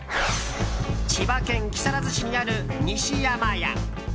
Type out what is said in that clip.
千葉県木更津市にある西山家。